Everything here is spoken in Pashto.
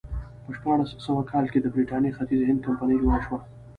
په شپاړس سوه کال کې د برېټانیا ختیځ هند کمپنۍ جوړه شوه.